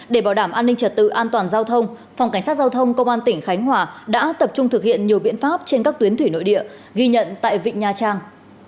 để bảo đảm an ninh trật tự an toàn giao thông phòng cảnh sát giao thông công an tỉnh khánh hòa đã tập trung thực hiện nhiều biện pháp trên các tuyến thủy nội địa ghi nhận tại vịnh nha trang